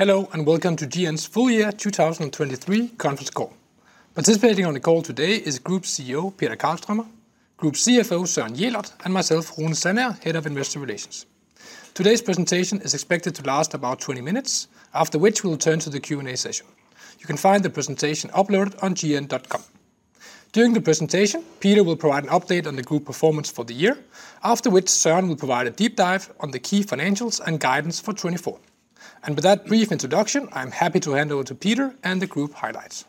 Hello, and welcome to GN's full year 2023 conference call. Participating on the call today is Group CEO, Peter Karlstromer, Group CFO, Søren Jelert, and myself, Rune Sandager, Head of Investor Relations. Today's presentation is expected to last about 20 minutes, after which we'll turn to the Q&A session. You can find the presentation uploaded on gn.com. During the presentation, Peter will provide an update on the group performance for the year, after which Søren will provide a deep dive on the key financials and guidance for 2024. With that brief introduction, I'm happy to hand over to Peter and the group highlights.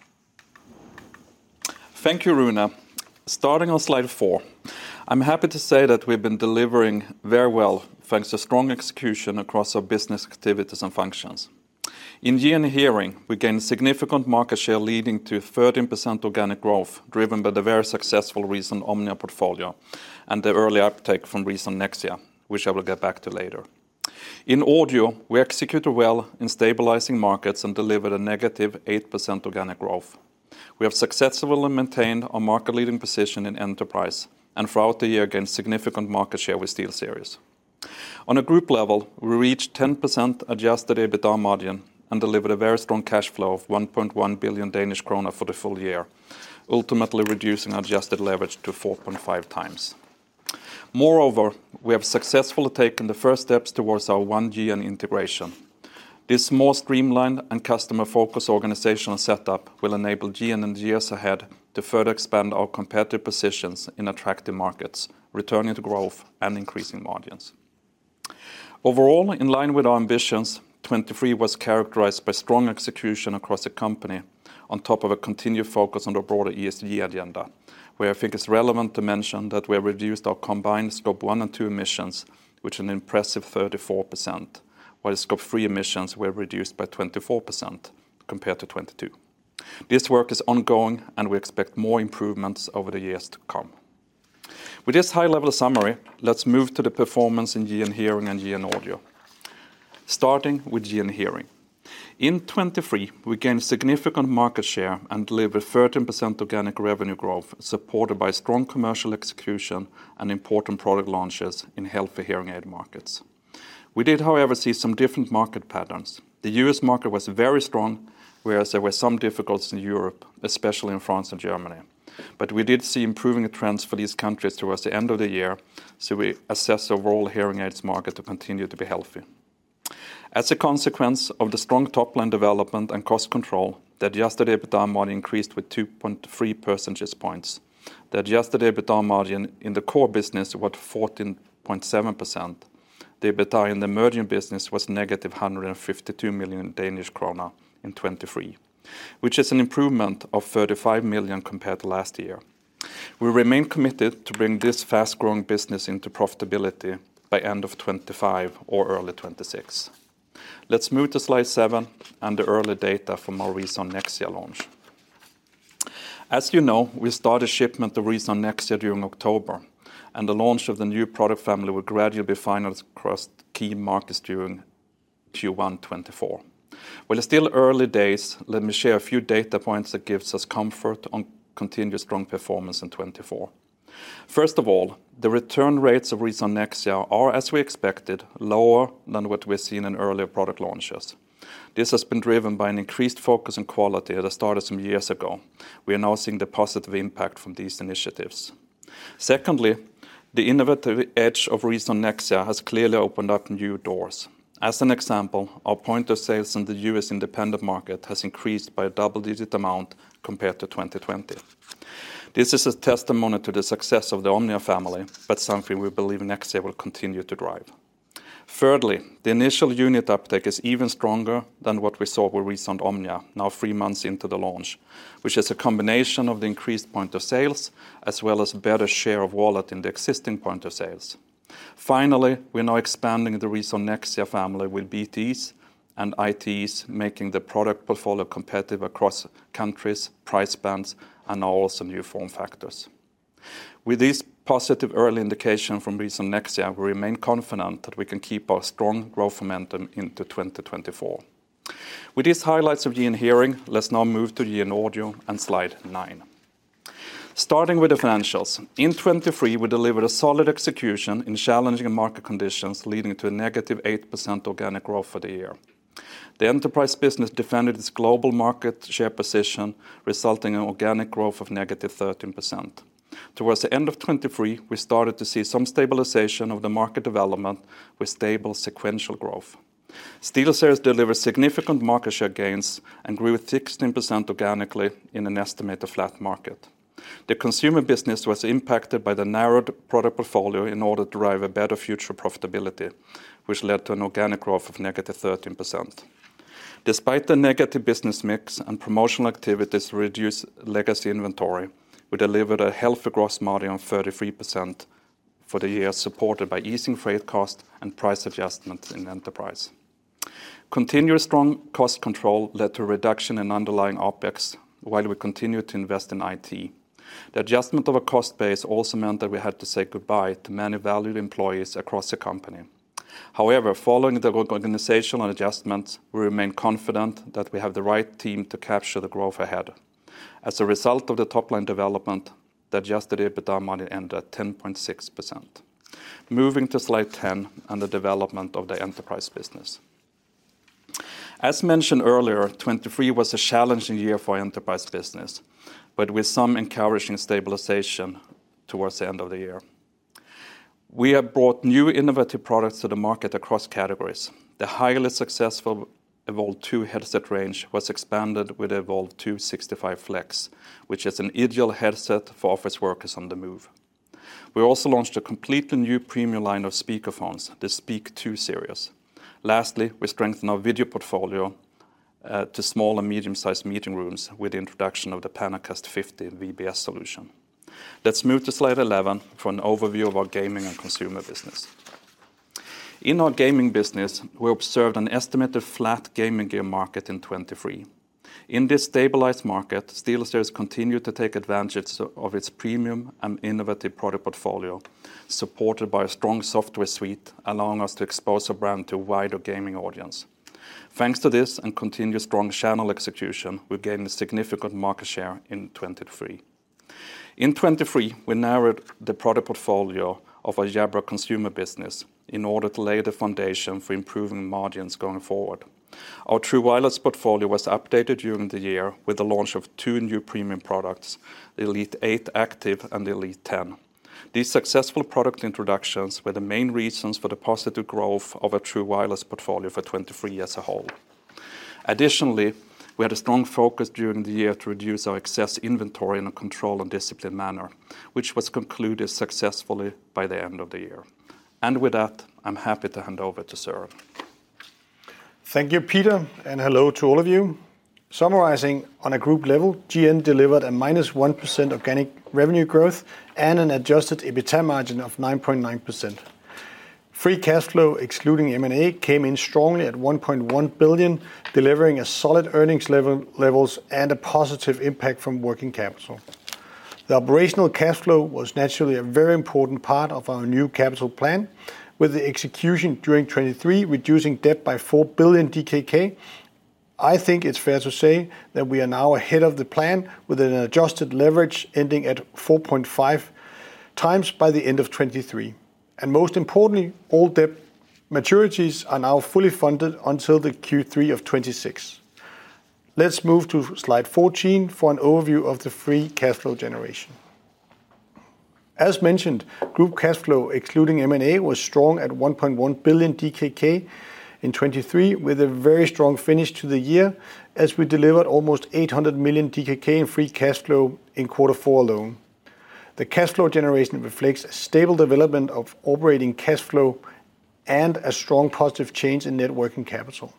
Thank you, Rune. Starting on slide four, I'm happy to say that we've been delivering very well, thanks to strong execution across our business activities and functions. In GN Hearing, we gained significant market share, leading to 13% organic growth, driven by the very successful ReSound Omnia portfolio and the early uptake from ReSound Nexia, which I will get back to later. In Audio, we executed well in stabilizing markets and delivered a 8% organic growth. We have successfully maintained a market-leading position in Enterprise, and throughout the year, gained significant market share with SteelSeries. On a group level, we reached 10% adjusted EBITDA margin and delivered a very strong cash flow of 1.1 billion Danish kroner for the full year, ultimately reducing adjusted leverage to 4.5x. Moreover, we have successfully taken the first steps towards our One GN integration. This more streamlined and customer-focused organizational setup will enable GN in the years ahead to further expand our competitive positions in attractive markets, returning to growth and increasing margins. Overall, in line with our ambitions, 2023 was characterized by strong execution across the company, on top of a continued focus on the broader ESG agenda, where I think it's relevant to mention that we reduced our combined Scope 1 and 2 emissions, which an impressive 34%, while the Scope 3 emissions were reduced by 24% compared to 2022. This work is ongoing, and we expect more improvements over the years to come. With this high-level summary, let's move to the performance in GN Hearing and GN Audio. Starting with GN Hearing. In 2023, we gained significant market share and delivered 13% organic revenue growth, supported by strong commercial execution and important product launches in healthy Hearing aid markets. We did, however, see some different market patterns. The U.S. market was very strong, whereas there were some difficulties in Europe, especially in France and Germany. But we did see improving trends for these countries towards the end of the year, so we assess the overall Hearing aids market to continue to be healthy. As a consequence of the strong top-line development and cost control, the adjusted EBITDA margin increased with 2.3 percentage points. The adjusted EBITDA margin in the core business was 14.7%. The EBITDA in the emerging business was -152 million Danish krone in 2023, which is an improvement of 35 million compared to last year. We remain committed to bring this fast-growing business into profitability by end of 2025 or early 2026. Let's move to slide seven and the early data from our ReSound Nexia launch. As you know, we started shipment of ReSound Nexia during October, and the launch of the new product family will gradually be finalized across key markets during Q1 2024. Well, it's still early days. Let me share a few data points that gives us comfort on continued strong performance in 2024. First of all, the return rates of ReSound Nexia are, as we expected, lower than what we've seen in earlier product launches. This has been driven by an increased focus on quality that started some years ago. We are now seeing the positive impact from these initiatives. Secondly, the innovative edge of ReSound Nexia has clearly opened up new doors. As an example, our points of sale in the U.S. independent market has increased by a double-digit amount compared to 2020. This is a testimony to the success of the Omnia family, but something we believe Nexia will continue to drive. Thirdly, the initial unit uptake is even stronger than what we saw with ReSound Omnia, now three months into the launch, which is a combination of the increased points of sale, as well as better share of wallet in the existing points of sale. Finally, we're now expanding the ReSound Nexia family with BTEs and ITEs, making the product portfolio competitive across countries, price bands, and also new form factors. With this positive early indication from ReSound Nexia, we remain confident that we can keep our strong growth momentum into 2024. With these highlights of GN Hearing, let's now move to GN Audio on slide nine. Starting with the financials, in 2023, we delivered a solid execution in challenging market conditions, leading to a -8% organic growth for the year. The Enterprise business defended its global market share position, resulting in organic growth of -13%. Towards the end of 2023, we started to see some stabilization of the market development with stable sequential growth. SteelSeries delivered significant market share gains and grew 16% organically in an estimated flat market. The Consumer business was impacted by the narrowed product portfolio in order to drive a better future profitability, which led to an organic growth of -13%. Despite the negative business mix and promotional activities to reduce legacy inventory, we delivered a healthy gross margin of 33% for the year, supported by easing freight cost and price adjustments in Enterprise. Continuous strong cost control led to a reduction in underlying OpEx, while we continued to invest in IT. The adjustment of our cost base also meant that we had to say goodbye to many valued employees across the company. However, following the organizational adjustments, we remain confident that we have the right team to capture the growth ahead. As a result of the top-line development, the adjusted EBITDA margin ended at 10.6%... Moving to slide 10 on the development of the Enterprise business. As mentioned earlier, 2023 was a challenging year for Enterprise business, but with some encouraging stabilization towards the end of the year. We have brought new innovative products to the market across categories. The highly successful Evolve2 headset range was expanded with Evolve2 65 Flex, which is an ideal headset for office workers on the move. We also launched a completely new premium line of speakerphones, the Speak 2 series. Lastly, we strengthened our video portfolio to small and medium-sized meeting rooms with the introduction of the PanaCast 50 VBS solution. Let's move to slide 11 for an overview of our Gaming and Consumer business. In our Gaming business, we observed an estimated flat Gaming gear market in 2023. In this stabilized market, SteelSeries continued to take advantage of its premium and innovative product portfolio, supported by a strong software suite, allowing us to expose our brand to a wider Gaming audience. Thanks to this and continued strong channel execution, we gained a significant market share in 2023. In 2023, we narrowed the product portfolio of our Jabra Consumer business in order to lay the foundation for improving margins going forward. Our true wireless portfolio was updated during the year with the launch of two new premium products, the Elite 8 Active and the Elite 10. These successful product introductions were the main reasons for the positive growth of our true wireless portfolio for 2023 as a whole. Additionally, we had a strong focus during the year to reduce our excess inventory in a controlled and disciplined manner, which was concluded successfully by the end of the year. With that, I'm happy to hand over to Søren. Thank you, Peter, and hello to all of you. Summarizing on a group level, GN delivered a -1% organic revenue growth and an adjusted EBITDA margin of 9.9%. Free cash flow, excluding M&A, came in strongly at 1.1 billion, delivering a solid earnings levels and a positive impact from working capital. The operational cash flow was naturally a very important part of our new capital plan, with the execution during 2023, reducing debt by 4 billion DKK. I think it's fair to say that we are now ahead of the plan, with an adjusted leverage ending at 4.5 times by the end of 2023. And most importantly, all debt maturities are now fully funded until the Q3 of 2026. Let's move to slide 14 for an overview of the free cash flow generation. As mentioned, group cash flow, excluding M&A, was strong at 1.1 billion DKK in 2023, with a very strong finish to the year, as we delivered almost 800 million DKK in free cash flow in quarter four alone. The cash flow generation reflects a stable development of operating cash flow and a strong positive change in net working capital.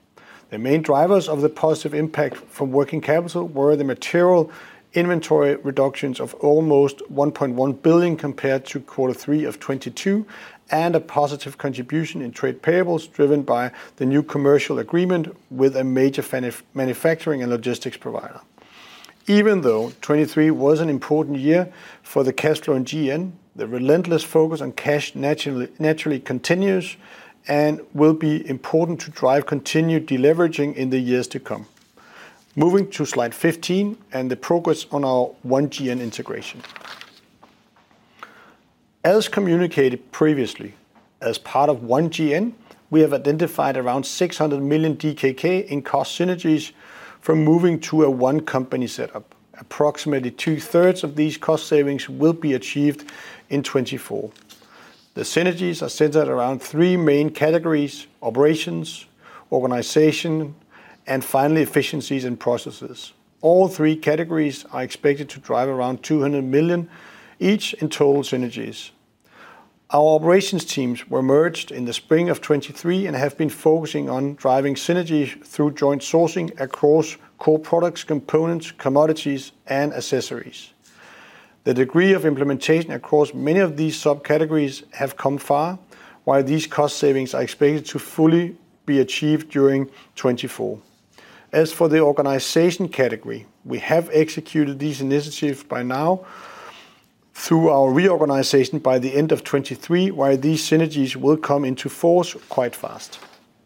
The main drivers of the positive impact from working capital were the material inventory reductions of almost 1.1 billion, compared to quarter three of 2022, and a positive contribution in trade payables, driven by the new commercial agreement with a major manufacturing and logistics provider. Even though 2023 was an important year for the cash flow in GN, the relentless focus on cash naturally continues and will be important to drive continued deleveraging in the years to come. Moving to slide 15 and the progress on our One GN integration. As communicated previously, as part of One GN, we have identified around 600 million DKK in cost synergies from moving to a one-company setup. Approximately two-thirds of these cost savings will be achieved in 2024. The synergies are centered around three main categories: operations, organization, and finally, efficiencies and processes. All three categories are expected to drive around 200 million each in total synergies. Our operations teams were merged in the spring of 2023 and have been focusing on driving synergies through joint sourcing across core products, components, commodities, and accessories. The degree of implementation across many of these subcategories have come far, while these cost savings are expected to fully be achieved during 2024. As for the organization category, we have executed these initiatives by now through our reorganization by the end of 2023, while these synergies will come into force quite fast.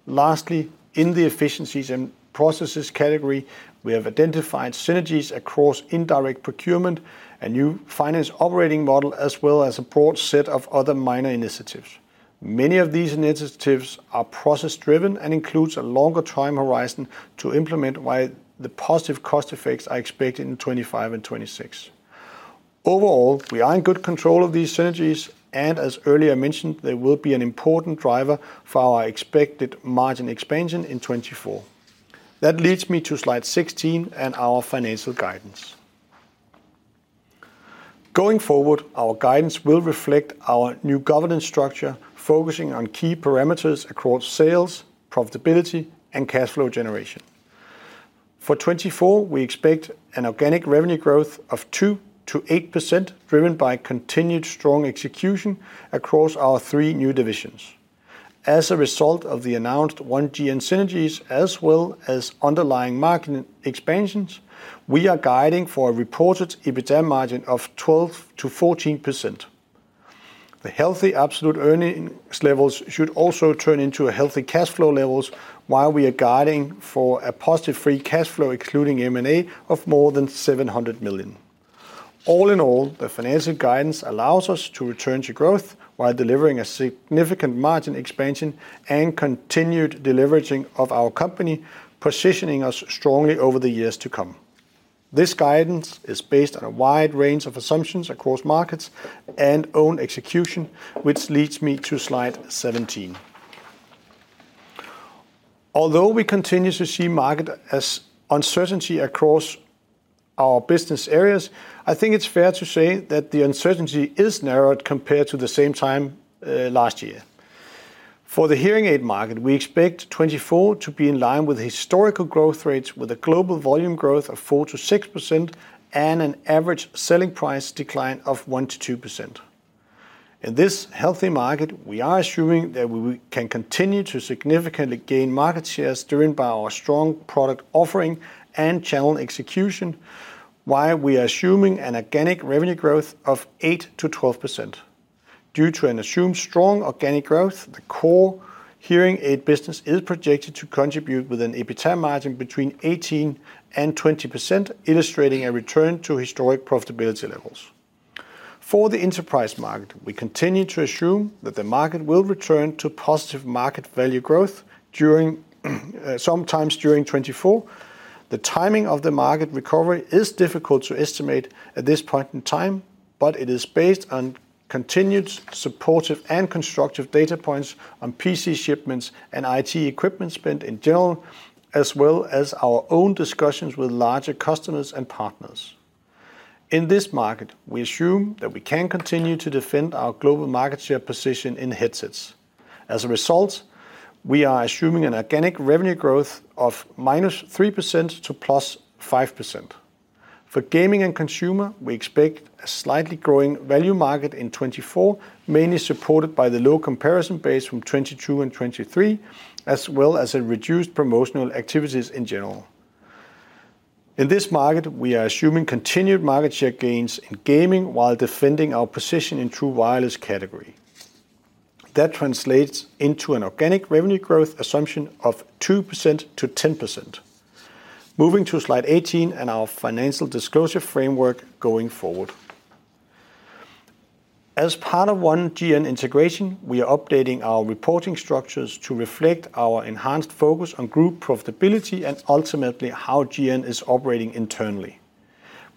Lastly, in the efficiencies and processes category, we have identified synergies across indirect procurement, a new finance operating model, as well as a broad set of other minor initiatives. Many of these initiatives are process-driven and includes a longer time horizon to implement, while the positive cost effects are expected in 2025 and 2026. Overall, we are in good control of these synergies, and as earlier mentioned, they will be an important driver for our expected margin expansion in 2024. That leads me to slide 16 and our financial guidance. Going forward, our guidance will reflect our new governance structure, focusing on key parameters across sales, profitability, and cash flow generation. For 2024, we expect an organic revenue growth of 2%-8%, driven by continued strong execution across our three new divisions. As a result of the announced One GN synergies, as well as underlying market expansions, we are guiding for a reported EBITDA margin of 12%-14%. The healthy absolute earnings levels should also turn into healthy cash flow levels, while we are guiding for a positive free cash flow, excluding M&A, of more than 700 million. All in all, the financial guidance allows us to return to growth while delivering a significant margin expansion and continued deleveraging of our company, positioning us strongly over the years to come. This guidance is based on a wide range of assumptions across markets and own execution, which leads me to slide 17. Although we continue to see market uncertainty across our business areas, I think it's fair to say that the uncertainty is narrowed compared to the same time last year. For the Hearing aid market, we expect 2024 to be in line with historical growth rates, with a global volume growth of 4%-6% and an average selling price decline of 1%-2%. In this healthy market, we are assuming that we can continue to significantly gain market shares driven by our strong product offering and channel execution, while we are assuming an organic revenue growth of 8%-12%. Due to an assumed strong organic growth, the Core Hearing aid business is projected to contribute with an EBITDA margin between 18% and 20%, illustrating a return to historic profitability levels. For the Enterprise market, we continue to assume that the market will return to positive market value growth during sometime during 2024. The timing of the market recovery is difficult to estimate at this point in time, but it is based on continued supportive and constructive data points on PC shipments and IT equipment spend in general, as well as our own discussions with larger customers and partners. In this market, we assume that we can continue to defend our global market share position in headsets. As a result, we are assuming an organic revenue growth of -3% to +5%. For Gaming and Consumer, we expect a slightly growing value market in 2024, mainly supported by the low comparison base from 2022 and 2023, as well as a reduced promotional activities in general. In this market, we are assuming continued market share gains in Gaming while defending our position in true wireless category. That translates into an organic revenue growth assumption of 2%-10%. Moving to slide 18 and our financial disclosure framework going forward. As part of One GN integration, we are updating our reporting structures to reflect our enhanced focus on group profitability and ultimately how GN is operating internally.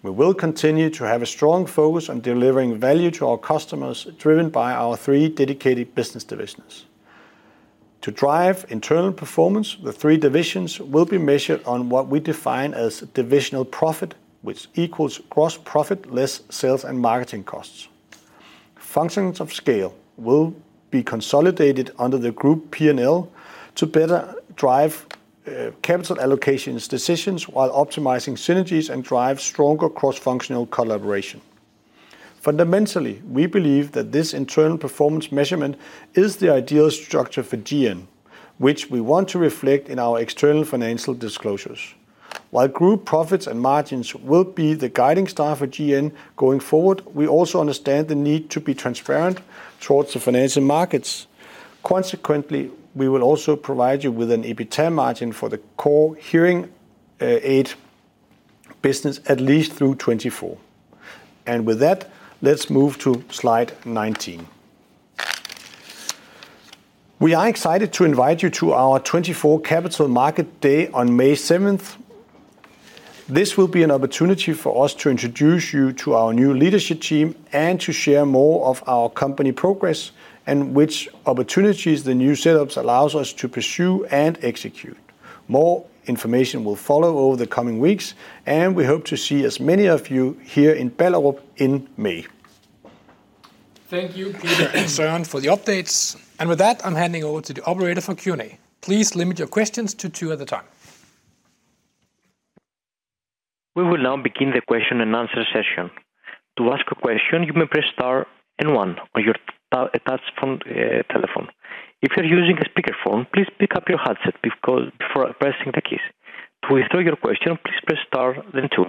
We will continue to have a strong focus on delivering value to our customers, driven by our three dedicated business divisions. To drive internal performance, the three divisions will be measured on what we define as divisional profit, which equals gross profit, less sales and marketing costs. Functions of scale will be consolidated under the group P&L to better drive capital allocations decisions while optimizing synergies and drive stronger cross-functional collaboration. Fundamentally, we believe that this internal performance measurement is the ideal structure for GN, which we want to reflect in our external financial disclosures. While group profits and margins will be the guiding star for GN going forward, we also understand the need to be transparent towards the financial markets. Consequently, we will also provide you with an EBITDA margin for the Core Hearing aid business, at least through 2024. With that, let's move to slide 19. We are excited to invite you to our 2024 Capital Market Day on May 7. This will be an opportunity for us to introduce you to our new leadership team and to share more of our company progress and which opportunities the new setups allows us to pursue and execute. More information will follow over the coming weeks, and we hope to see as many of you here in Ballerup in May. Thank you, Peter and Søren, for the updates. With that, I'm handing over to the operator for Q&A. Please limit your questions to two at the time. We will now begin the question and answer session. To ask a question, you may press star and one on your touchtone, telephone. If you're using a speakerphone, please pick up your headset before pressing the keys. To restore your question, please press star then two.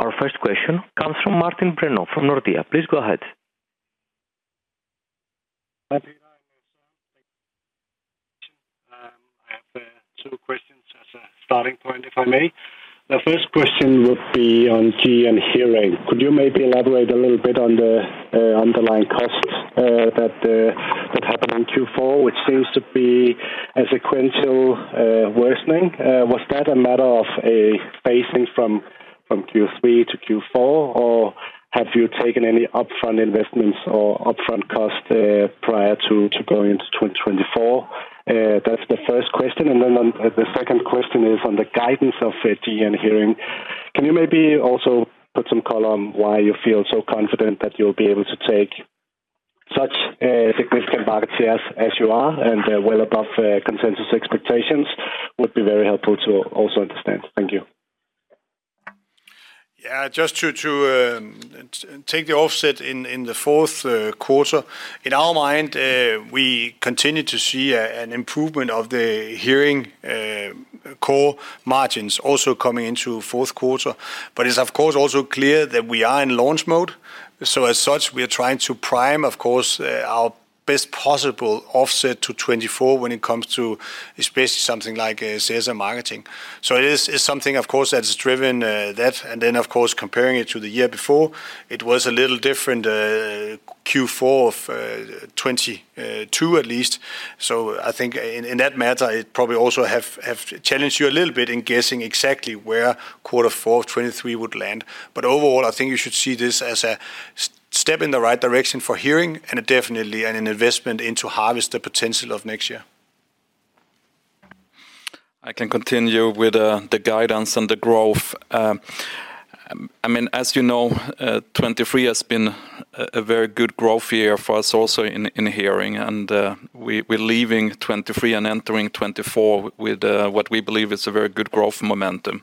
Our first question comes from Martin Brenøe from Nordea. Please go ahead. Hi, Peter and Søren. Thank you. I have two questions as a starting point, if I may. The first question would be on GN Hearing. Could you maybe elaborate a little bit on the underlying costs that happened in Q4, which seems to be a sequential worsening? Was that a matter of a phasing from Q3 to Q4, or have you taken any upfront investments or upfront costs prior to going into 2024? That's the first question. Then on the second question is on the guidance of GN Hearing. Can you maybe also put some color on why you feel so confident that you'll be able to take such significant market shares as you are, and well above consensus expectations? Would be very helpful to also understand. Thank you. Yeah, just to take the outset in the fourth quarter, in our mind, we continue to see an improvement of the Hearing core margins also coming into fourth quarter. But it's of course also clear that we are in launch mode, so as such, we are trying to prime, of course, our best possible outset to 2024 when it comes to especially something like sales and marketing. So it is something, of course, that's driven, that, and then of course, comparing it to the year before, it was a little different Q4 of 2022 at least. So I think in that matter, I probably also have challenged you a little bit in guessing exactly where quarter four, 2023 would land. But overall, I think you should see this as a step in the right direction for Hearing, and definitely an investment to harness the potential of next year. I can continue with the guidance and the growth. I mean, as you know, 2023 has been a very good growth year for us also in Hearing, and we're leaving 2023 and entering 2024 with what we believe is a very good growth momentum.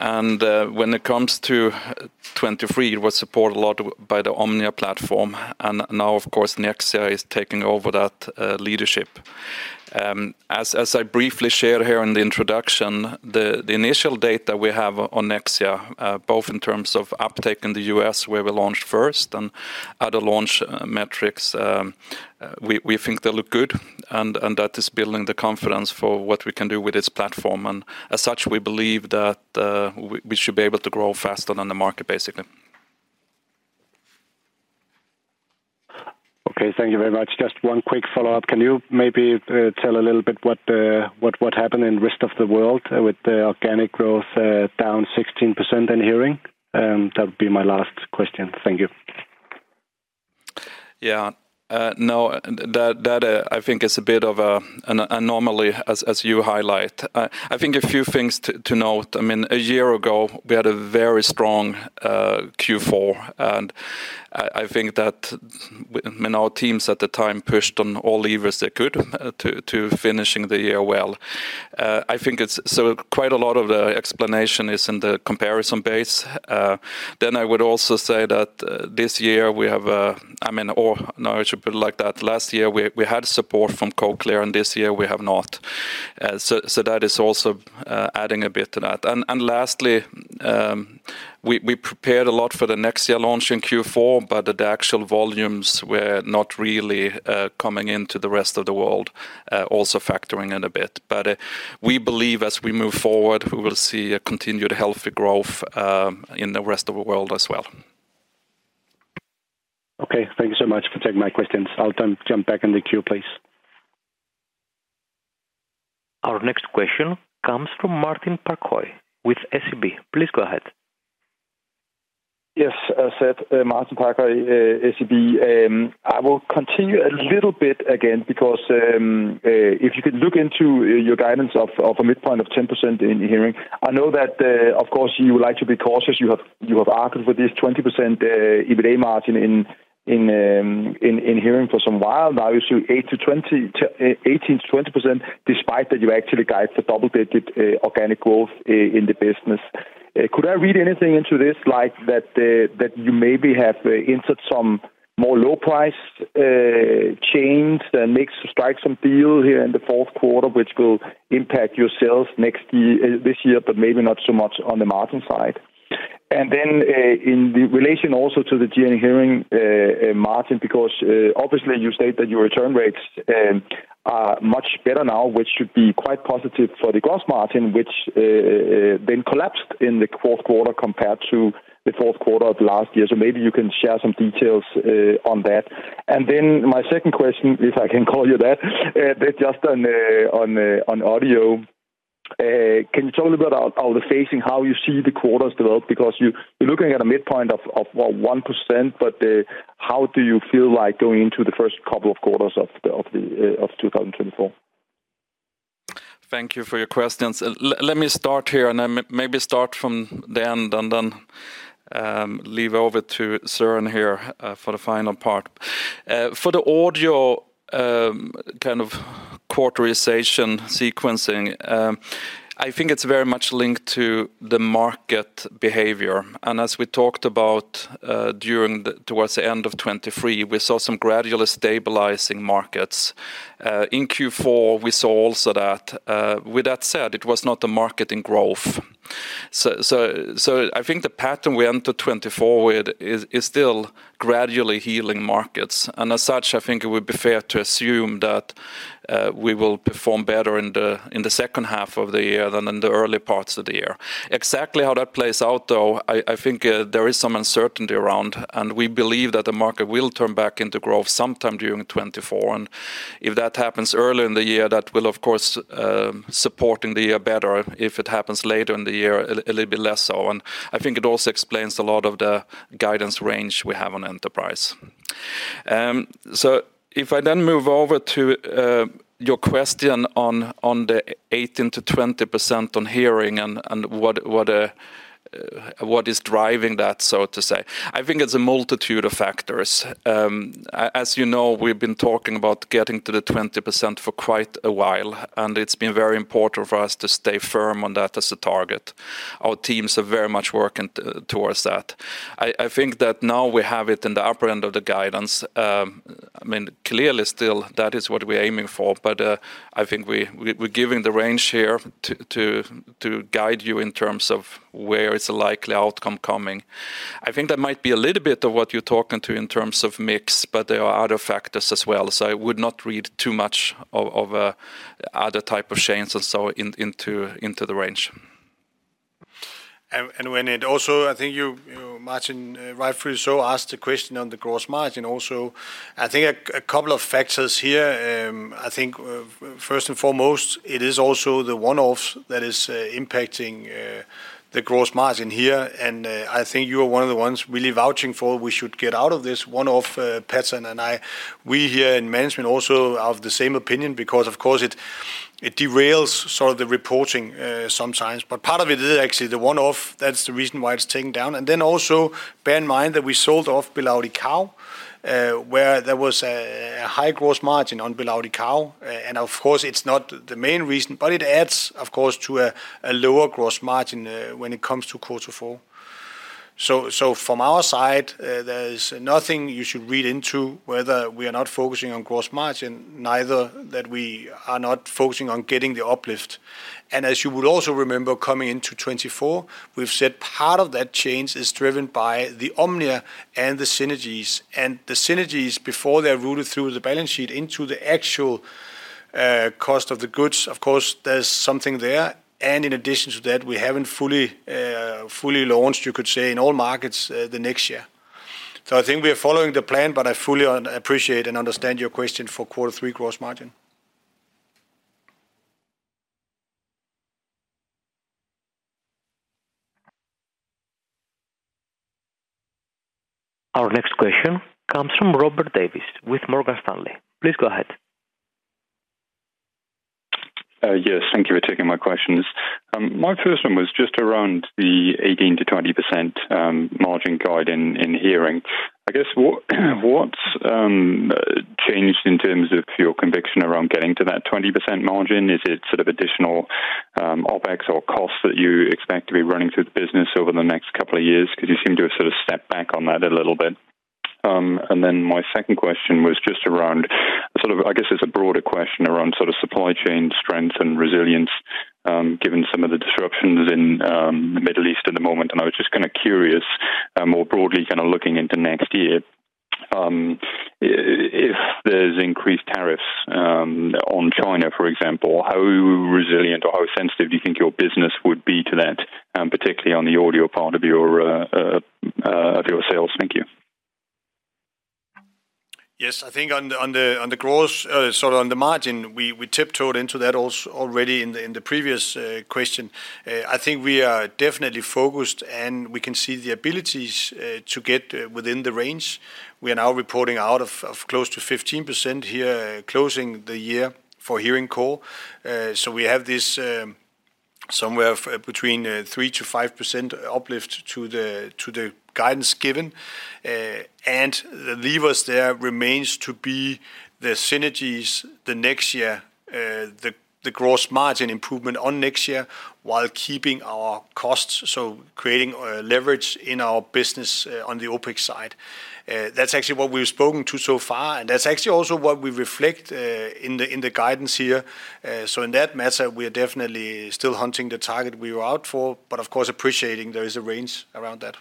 And when it comes to 2023, it was supported a lot by the Omnia platform, and now, of course, Nexia is taking over that leadership. As I briefly shared here in the introduction, the initial data we have on Nexia both in terms of uptake in the U.S., where we launched first and other launch metrics, we think they look good, and that is building the confidence for what we can do with this platform. As such, we believe that we should be able to grow faster than the market, basically. Okay, thank you very much. Just one quick follow-up. Can you maybe tell a little bit what happened in Rest of World with the organic growth down 16% in Hearing? That would be my last question. Thank you. Yeah. No, that I think is a bit of an anomaly, as you highlight. I think a few things to note. I mean, a year ago, we had a very strong Q4, and I think that, I mean, our teams at the time pushed on all levers they could to finishing the year well. I think it's. So quite a lot of the explanation is in the comparison base. Then I would also say that, this year we have, I mean, or no, I should put it like that, last year, we had support from Cochlear, and this year we have not. So that is also adding a bit to that. And lastly, we prepared a lot for the next year launch in Q4, but the actual volumes were not really coming into the Rest of World, also factoring in a bit. But we believe as we move forward, we will see a continued healthy growth in the Rest of World as well. Okay. Thank you so much for taking my questions. I'll jump back in the queue, please. Our next question comes from Martin Parkhøi with SEB. Please go ahead. Yes, Seth, Martin Parkhøi, SEB. I will continue a little bit again, because if you could look into your guidance of a midpoint of 10% in Hearing, I know that, of course, you would like to be cautious. You have argued with this 20% EBITDA margin in Hearing for some while now, so 18%-20%, despite that you actually guide the double-digit organic growth in the business. Could I read anything into this, like that you maybe have insert some more low price change that makes strike some deal here in the fourth quarter, which will impact your sales next year, this year, but maybe not so much on the margin side? And then, in the relation also to the GN Hearing margin, because obviously you state that your return rates are much better now, which should be quite positive for the gross margin, which then collapsed in the fourth quarter compared to the fourth quarter of last year. So maybe you can share some details on that. And then my second question, if I can call you that, but just on Audio, can you tell me about the phasing, how you see the quarters develop? Because you're looking at a midpoint of what? 1%, but how do you feel like going into the first couple of quarters of 2024? Thank you for your questions. Let me start here, and I maybe start from the end and then, leave over to Søren here, for the final part. For the Audio, kind of quarterization sequencing, I think it's very much linked to the market behavior. And as we talked about, during the, towards the end of 2023, we saw some gradual stabilizing markets. In Q4, we saw also that, with that said, it was not the market in growth. So I think the pattern we enter 2024 with is still gradually healing markets, and as such, I think it would be fair to assume that, we will perform better in the second half of the year than in the early parts of the year. Exactly how that plays out, though, I think there is some uncertainty around, and we believe that the market will turn back into growth sometime during 2024. And if that happens early in the year, that will, of course, support in the year better; if it happens later in the year, a little bit less so. And I think it also explains a lot of the guidance range we have on Enterprise. So if I then move over to your question on the 18%-20% on Hearing and what is driving that, so to say? I think it's a multitude of factors. As you know, we've been talking about getting to the 20% for quite a while, and it's been very important for us to stay firm on that as a target. Our teams are very much working toward that. I think that now we have it in the upper end of the guidance. I mean, clearly, still, that is what we're aiming for, but, I think we're giving the range here to guide you in terms of where is the likely outcome coming. I think that might be a little bit of what you're talking to in terms of mix, but there are other factors as well, so I would not read too much of other type of chains and so into the range. When it also, I think you, Martin, rightfully so, asked the question on the gross margin also. I think a couple of factors here. I think first and foremost, it is also the one-offs that is impacting the gross margin here, and I think you are one of the ones really vouching for we should get out of this one-off pattern, and we here in management also of the same opinion, because of course, it derails sort of the reporting sometimes. But part of it is actually the one-off, that's the reason why it's taken down. And then also, bear in mind that we sold off BelAudição, where there was a high gross margin on BelAudição. And of course, it's not the main reason, but it adds, of course, to a lower gross margin when it comes to quarter four. So from our side, there's nothing you should read into whether we are not focusing on gross margin, neither that we are not focusing on getting the uplift. And as you would also remember, coming into 2024, we've said part of that change is driven by the Omnia and the synergies. And the synergies before they're routed through the balance sheet into the actual cost of the goods, of course, there's something there, and in addition to that, we haven't fully launched, you could say, in all markets the Nexia. So I think we are following the plan, but I fully appreciate and understand your question for quarter three gross margin. Our next question comes from Robert Davies with Morgan Stanley. Please go ahead. Yes, thank you for taking my questions. My first one was just around the 18%-20% margin guide in Hearing. I guess, what changed in terms of your conviction around getting to that 20% margin? Is it sort of additional OpEx or costs that you expect to be running through the business over the next couple of years? Because you seem to have sort of stepped back on that a little bit. And then my second question was just around, sort of, I guess it's a broader question around sort of supply chain strength and resilience, given some of the disruptions in the Middle East at the moment. I was just kind of curious, more broadly, kind of looking into next year, if there's increased tariffs, on China, for example, how resilient or how sensitive do you think your business would be to that, particularly on the Audio part of your, of your sales? Thank you. Yes, I think on the gross, sort of on the margin, we tiptoed into that already in the previous question. I think we are definitely focused, and we can see the abilities to get within the range. We are now reporting out of close to 15% here, closing the year for Hearing core. So we have this somewhere between 3%-5% uplift to the guidance given. And the levers there remains to be the synergies, the next year, the gross margin improvement on next year, while keeping our costs, so creating leverage in our business on the OpEx side. That's actually what we've spoken to so far, and that's actually also what we reflect in the guidance here. So in that matter, we are definitely still hunting the target we were out for, but of course, appreciating there is a range around that.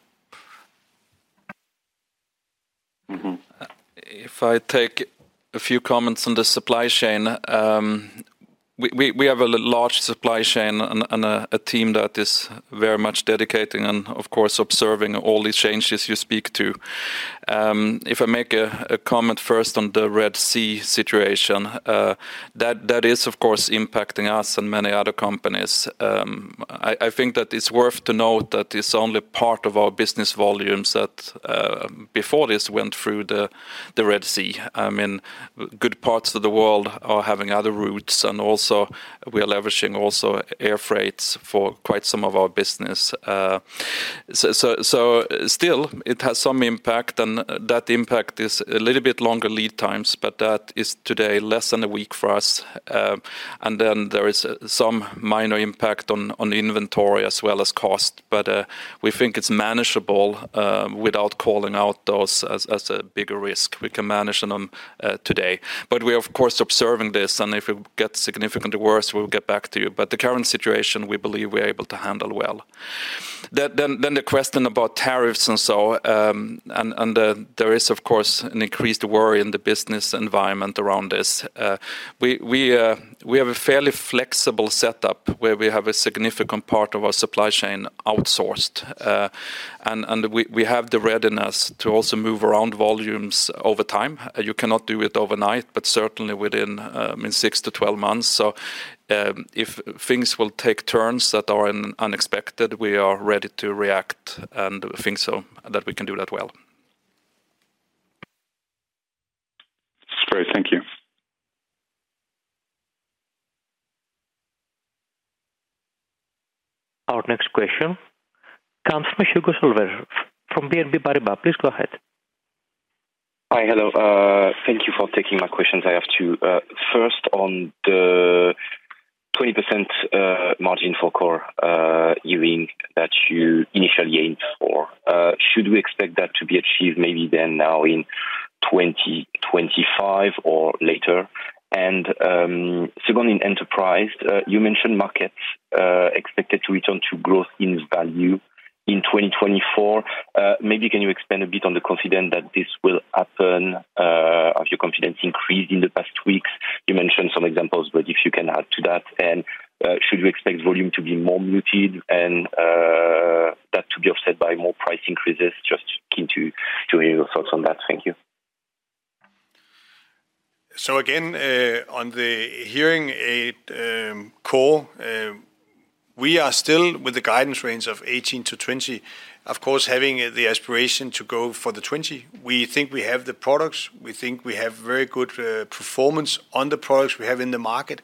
If I take a few comments on the supply chain, we have a large supply chain and a team that is very much dedicated and, of course, observing all these changes you speak to. If I make a comment first on the Red Sea situation, that is, of course, impacting us and many other companies. I think that it's worth to note that it's only part of our business volumes that, before this went through the Red Sea. I mean, good parts of the world are having other routes, and also we are leveraging also air freight for quite some of our business. Still, it has some impact, and that impact is a little bit longer lead times, but that is today less than a week for us. And then there is some minor impact on the inventory as well as cost, but we think it's manageable without calling out those as a bigger risk. We can manage them today. But we are, of course, observing this, and if it gets significantly worse, we'll get back to you. But the current situation, we believe we're able to handle well. Then the question about tariffs and so, and there is, of course, an increased worry in the business environment around this. We have a fairly flexible setup, where we have a significant part of our supply chain outsourced. And we have the readiness to also move around volumes over time. You cannot do it overnight, but certainly within 6-12 months. If things will take turns that are unexpected, we are ready to react, and I think so, that we can do that well.... Our next question comes from Hugo Solvet from BNP Paribas. Please go ahead. Hi. Hello, thank you for taking my questions. I have two. First, on the 20% margin for Core Hearing that you initially aimed for, should we expect that to be achieved maybe then now in 2025 or later? And, secondly, Enterprise, you mentioned markets expected to return to growth in value in 2024. Maybe can you expand a bit on the confidence that this will happen? Have your confidence increased in the past weeks? You mentioned some examples, but if you can add to that. And, should we expect volume to be more muted and that to be offset by more price increases? Just keen to hear your thoughts on that. Thank you. So again, on the Hearing aid core, we are still with the guidance range of 18-20. Of course, having the aspiration to go for the 20, we think we have the products, we think we have very good performance on the products we have in the market.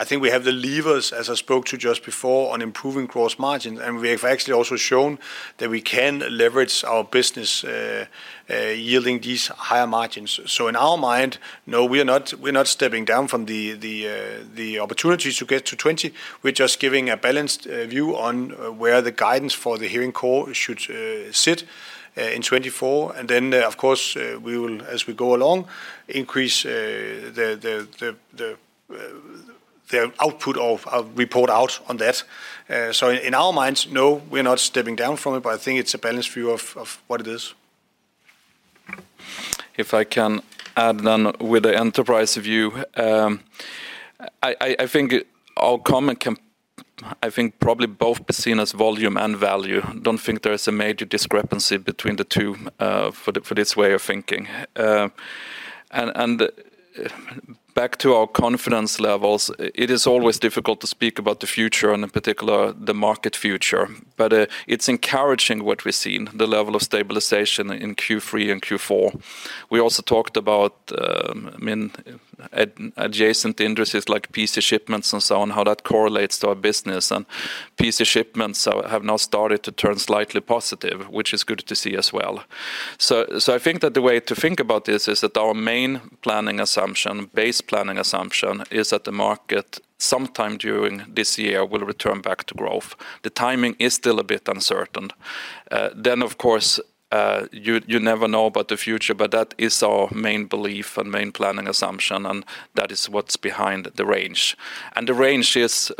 I think we have the levers, as I spoke to just before, on improving gross margin, and we have actually also shown that we can leverage our business, yielding these higher margins. So in our mind, no, we are not—we're not stepping down from the, the opportunities to get to 20. We're just giving a balanced view on where the guidance for the Hearing core should sit in 2024. And then, of course, we will, as we go along, increase the output of report out on that. So in our minds, no, we're not stepping down from it, but I think it's a balanced view of what it is. If I can add then with the Enterprise view, I think our comment can, I think, probably both be seen as volume and value. Don't think there is a major discrepancy between the two, for this way of thinking. And back to our confidence levels, it is always difficult to speak about the future, and in particular, the market future. But, it's encouraging what we're seeing, the level of stabilization in Q3 and Q4. We also talked about, I mean, adjacent industries like PC shipments and so on, how that correlates to our business. And PC shipments have now started to turn slightly positive, which is good to see as well. So, I think that the way to think about this is that our main planning assumption, base planning assumption, is that the market, sometime during this year, will return back to growth. The timing is still a bit uncertain. Then, of course, you never know about the future, but that is our main belief and main planning assumption, and that is what's behind the range. And the range is,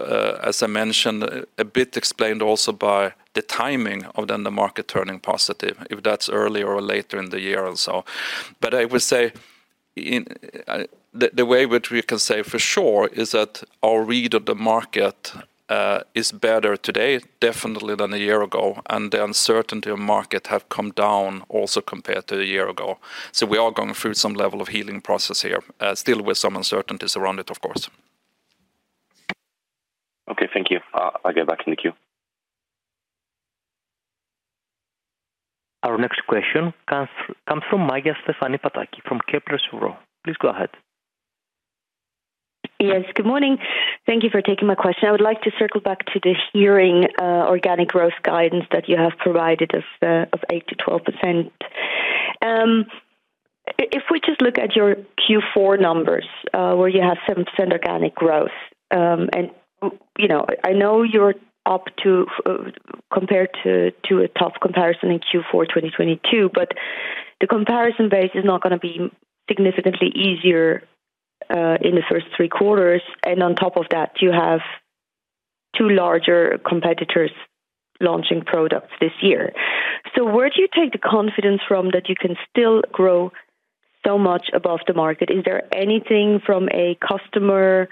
as I mentioned, a bit explained also by the timing of then the market turning positive, if that's earlier or later in the year or so. But I would say, in... The way which we can say for sure is that our read of the market is better today, definitely, than a year ago, and the uncertainty of market have come down also compared to a year ago. We are going through some level of healing process here, still with some uncertainties around it, of course. Okay, thank you. I go back in the queue. Our next question comes from Maja Stephanie Pataki from Kepler Cheuvreux. Please go ahead. Yes, good morning. Thank you for taking my question. I would like to circle back to the Hearing organic growth guidance that you have provided of 8%-12%. If we just look at your Q4 numbers, where you have 7% organic growth, and, you know, I know you're up to, compared to, to a tough comparison in Q4 2022, but the comparison base is not gonna be significantly easier in the first three quarters, and on top of that, you have two larger competitors launching products this year. So where do you take the confidence from that you can still grow so much above the market? Is there anything from a customer,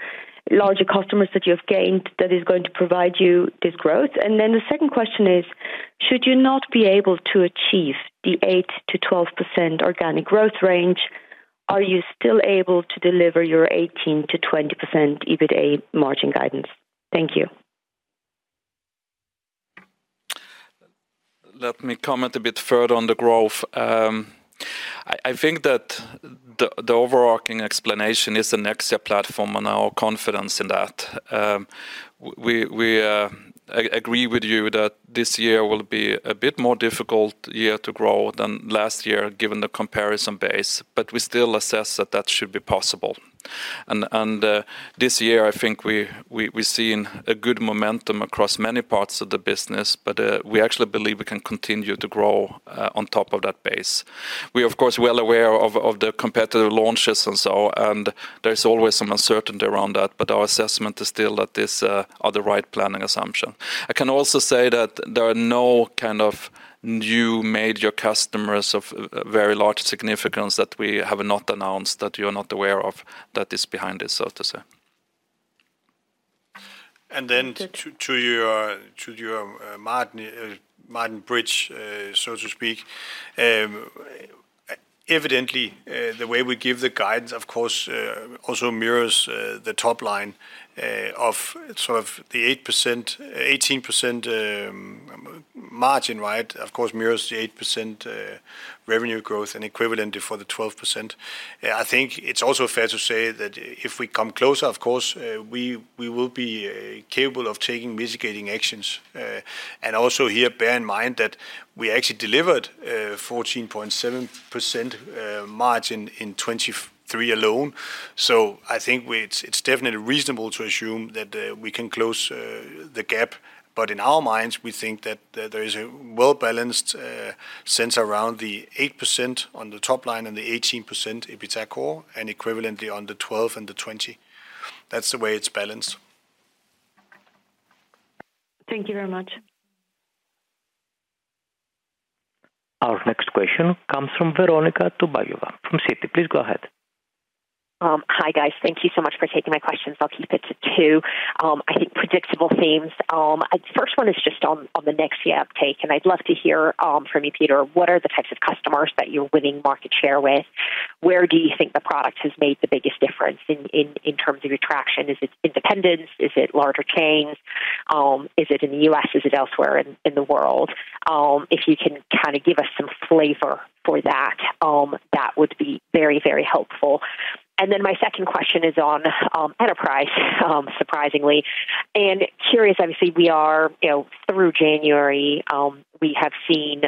larger customers that you have gained, that is going to provide you this growth? Then the second question is: should you not be able to achieve the 8%-12% organic growth range, are you still able to deliver your 18%-20% EBITDA margin guidance? Thank you. Let me comment a bit further on the growth. I think that the overarching explanation is the Nexia platform and our confidence in that. We agree with you that this year will be a bit more difficult year to grow than last year, given the comparison base, but we still assess that that should be possible. And this year, I think we're seeing a good momentum across many parts of the business, but we actually believe we can continue to grow on top of that base. We're, of course, well aware of the competitive launches and so on, and there's always some uncertainty around that, but our assessment is still that this are the right planning assumption. I can also say that there are no kind of new major customers of very large significance that we have not announced, that you're not aware of, that is behind this, so to say. Then, to your Martin Brenøe, so to speak, evidently, the way we give the guidance, of course, also mirrors the top line of sort of the 8%, 18%.... margin, right? Of course, mirrors the 8% revenue growth and equivalent for the 12%. I think it's also fair to say that if we come closer, of course, we will be capable of taking mitigating actions. And also here, bear in mind that we actually delivered 14.7% margin in 2023 alone. So I think it's definitely reasonable to assume that we can close the gap, but in our minds, we think that there is a well-balanced sense around the 8% on the top line and the 18% EBITDA core, and equivalently on the 12 and the 20. That's the way it's balanced. Thank you very much. Our next question comes from Veronika Dubajova from Citi. Please go ahead. Hi, guys. Thank you so much for taking my questions. I'll keep it to two, I think predictable themes. First one is just on the Nexia uptake, and I'd love to hear from you, Peter, what are the types of customers that you're winning market share with? Where do you think the product has made the biggest difference in terms of your traction? Is it independence? Is it larger chains? Is it in the U.S.? Is it elsewhere in the world? If you can kinda give us some flavor for that, that would be very, very helpful. And then my second question is on Enterprise, surprisingly, and curious, obviously, we are, you know, through January, we have seen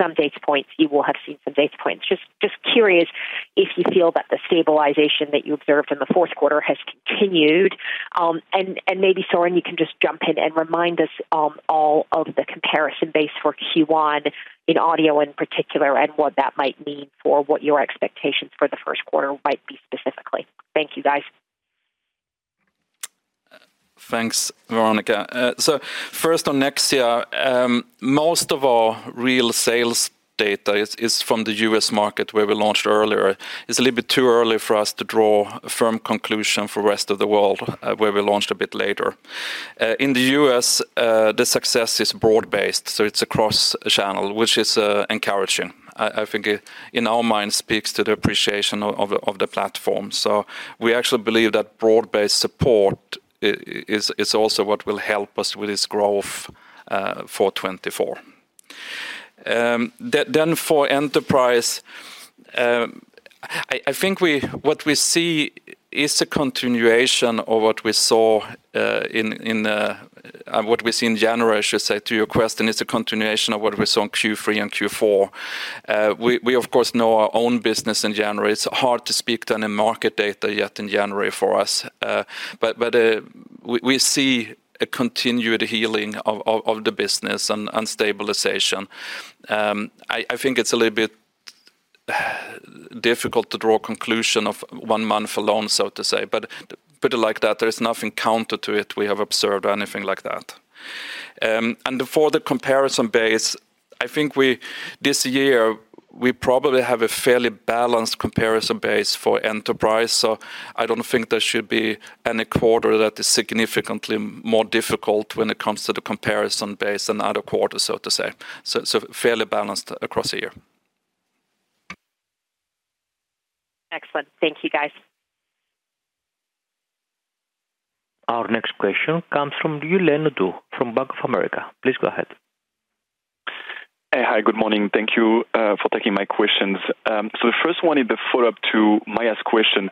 some data points. You will have seen some data points. Just, just curious if you feel that the stabilization that you observed in the fourth quarter has continued. And, and maybe, Søren, you can just jump in and remind us, all of the comparison base for Q1 in Audio in particular, and what that might mean for what your expectations for the first quarter might be specifically. Thank you, guys. Thanks, Veronika. So first on Nexia, most of our real sales data is from the US market, where we launched earlier. It's a little bit too early for us to draw a firm conclusion for Rest of World, where we launched a bit later. In the U.S., the success is broad-based, so it's across channel, which is encouraging. I think it, in our mind, speaks to the appreciation of the platform. So we actually believe that broad-based support is also what will help us with this growth for 2024. Then for Enterprise, I think what we see is a continuation of what we saw in January, I should say, to your question, is a continuation of what we saw in Q3 and Q4. We of course know our own business in January. It's hard to speak to any market data yet in January for us. But we see a continued healing of the business and stabilization. I think it's a little bit difficult to draw a conclusion of one month alone, so to say, but put it like that, there is nothing counter to it. We have observed anything like that. And for the comparison base, I think we this year, we probably have a fairly balanced comparison base for Enterprise, so I don't think there should be any quarter that is significantly more difficult when it comes to the comparison base than other quarters, so to say. So fairly balanced across the year. Excellent. Thank you, guys. Our next question comes from Julien Ouaddour, from Bank of America. Please go ahead. Hey. Hi, good morning. Thank you for taking my questions. So the first one is the follow-up to Maja's question.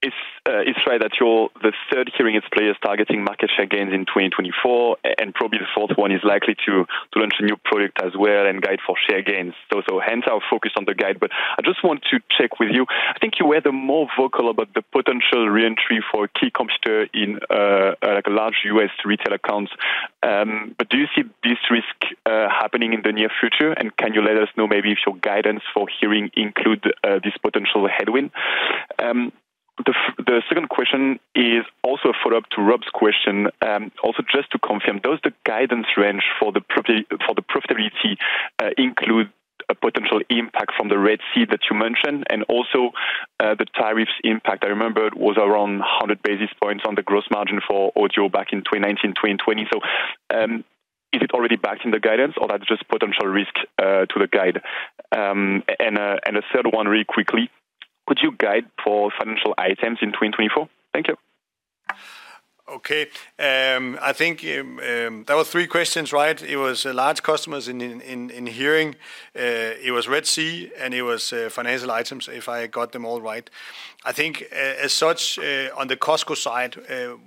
It's right that you're the third Hearing aids player is targeting market share gains in 2024, and probably the fourth one is likely to launch a new product as well and guide for share gains. So hence our focus on the guide. But I just want to check with you. I think you were the more vocal about the potential reentry for a key competitor in, like, a large U.S. retail accounts. But do you see this risk happening in the near future? And can you let us know maybe if your guidance for Hearing include this potential headwind? The second question is also a follow-up to Rob's question. Also, just to confirm, does the guidance range for the profitability include a potential impact from the Red Sea that you mentioned, and also the tariffs impact? I remember it was around 100 basis points on the gross margin for Audio back in 2019, 2020. So, is it already backed in the guidance or that's just potential risk to the guide? And a third one, really quickly: Could you guide for financial items in 2024? Thank you. Okay, I think there were three questions, right? It was large customers in Hearing, it was Red Sea, and it was financial items, if I got them all right. I think, as such, on the Costco side,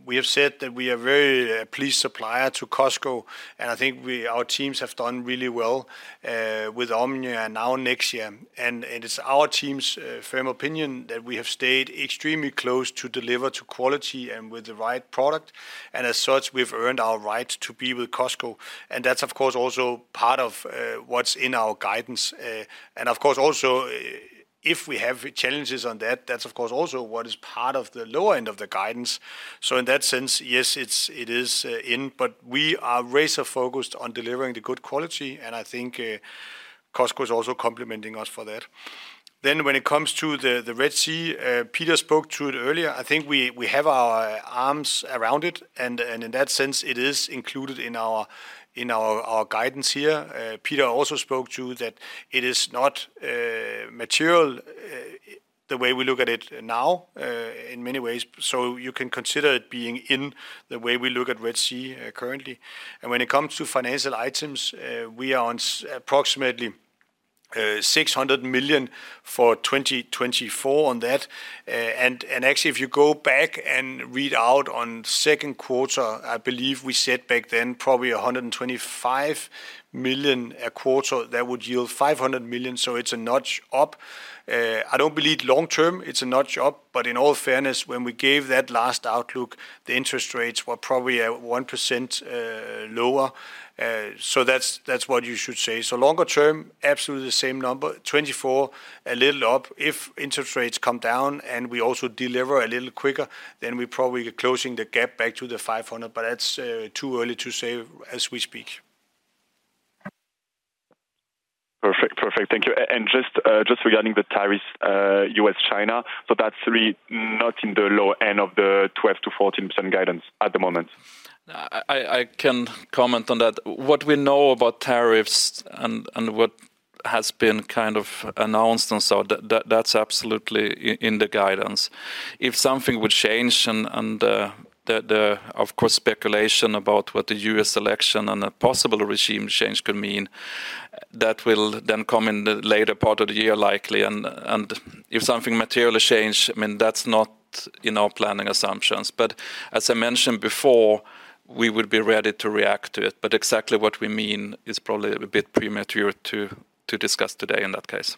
we have said that we are very pleased supplier to Costco, and I think our teams have done really well with Omnia and now Nexia. And it's our team's firm opinion that we have stayed extremely close to deliver to quality and with the right product, and as such, we've earned our right to be with Costco. And that's, of course, also part of what's in our guidance. And of course, also, if we have challenges on that, that's, of course, also what is part of the lower end of the guidance. So in that sense, yes, it is in, but we are razor-focused on delivering the good quality, and I think Costco is also complimenting us for that. Then when it comes to the Red Sea, Peter spoke to it earlier. I think we have our arms around it, and in that sense, it is included in our guidance here. Peter also spoke to that it is not material.... the way we look at it now, in many ways, so you can consider it being in the way we look at Red Sea currently. And when it comes to financial items, we are on approximately 600 million for 2024 on that. And actually, if you go back and read out on second quarter, I believe we said back then, probably 125 million a quarter, that would yield 500 million, so it's a notch up. I don't believe long term it's a notch up, but in all fairness, when we gave that last outlook, the interest rates were probably at 1% lower. So that's, that's what you should say. So longer term, absolutely the same number. 2024, a little up. If interest rates come down and we also deliver a little quicker, then we probably closing the gap back to the 500, but that's too early to say as we speak. Perfect. Perfect. Thank you. And just regarding the tariffs, U.S., China, so that's really not in the low end of the 12%-14% guidance at the moment? I can comment on that. What we know about tariffs and what has been kind of announced and so, that's absolutely in the guidance. If something would change and, of course, speculation about what the U.S. election and a possible regime change could mean, that will then come in the later part of the year, likely. And if something materially change, I mean, that's not in our planning assumptions. But as I mentioned before, we would be ready to react to it, but exactly what we mean is probably a bit premature to discuss today in that case.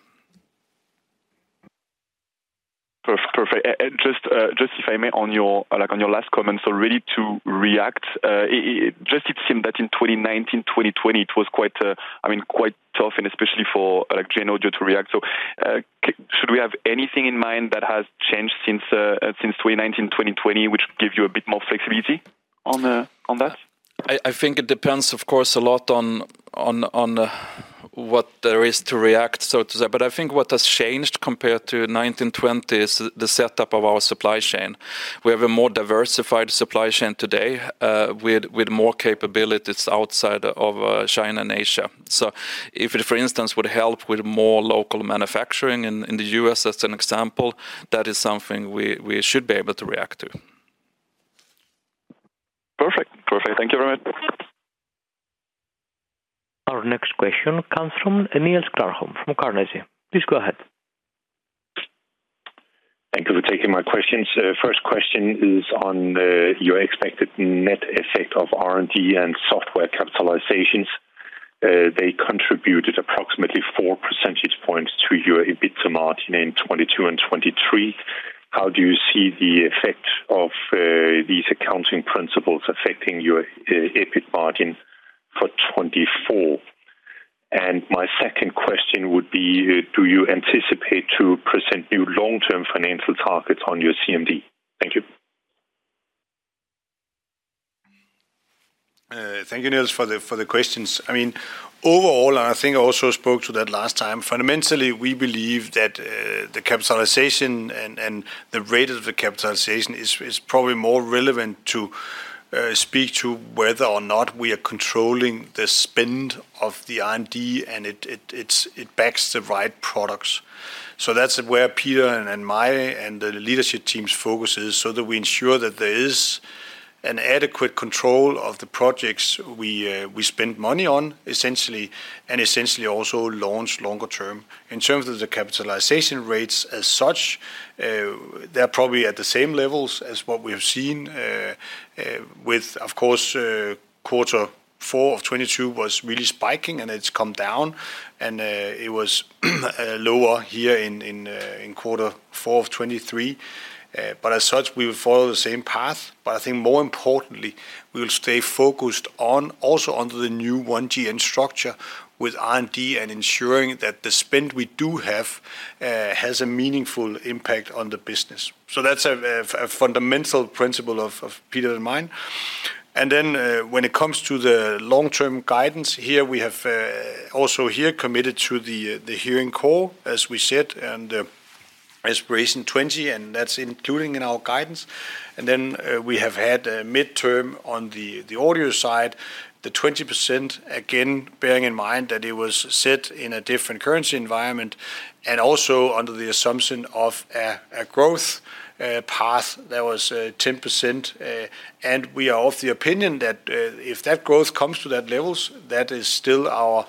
Perfect. And just, if I may, on your, like, on your last comment, so ready to react, it just seemed that in 2019, 2020, it was quite, I mean, quite tough and especially for like GN Audio to react. So, should we have anything in mind that has changed since, since 2019, 2020, which give you a bit more flexibility on, on that? I think it depends, of course, a lot on what there is to react to, so to say. But I think what has changed compared to 1920 is the setup of our supply chain. We have a more diversified supply chain today, with more capabilities outside of China and Asia. So if it, for instance, would help with more local manufacturing in the U.S., as an example, that is something we should be able to react to. Perfect. Perfect. Thank you very much. Our next question comes from Niels Granholm-Leth from Carnegie. Please go ahead. Thank you for taking my questions. First question is on your expected net effect of R&D and software capitalizations. They contributed approximately 4 percentage points to your EBIT margin in 2022 and 2023. How do you see the effect of these accounting principles affecting your EBIT margin for 2024? And my second question would be, do you anticipate to present new long-term financial targets on your CMD? Thank you. Thank you, Niels, for the questions. I mean, overall, and I think I also spoke to that last time, fundamentally, we believe that the capitalization and the rate of the capitalization is probably more relevant to speak to whether or not we are controlling the spend of the R&D, and it backs the right products. So that's where Peter and my and the leadership team's focus is, so that we ensure that there is an adequate control of the projects we spend money on, essentially, and essentially also launch longer term. In terms of the capitalization rates as such, they're probably at the same levels as what we have seen, with, of course, quarter four of 2022 was really spiking, and it's come down, and it was lower here in quarter four of 2023. But as such, we will follow the same path. But I think more importantly, we will stay focused on, also under the new One GN structure with R&D and ensuring that the spend we do have has a meaningful impact on the business. So that's a fundamental principle of Peter and mine. And then, when it comes to the long-term guidance, here, we have also here committed to the Hearing Core, as we said, and Aspiration 20, and that's including in our guidance. And then, we have had a midterm on the Audio side, the 20%, again, bearing in mind that it was set in a different currency environment, and also under the assumption of a growth path that was 10%, and we are of the opinion that if that growth comes to that levels, that is still our